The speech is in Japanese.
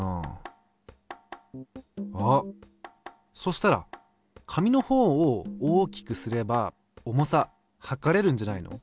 あっそしたら紙のほうを大きくすれば重さ量れるんじゃないの？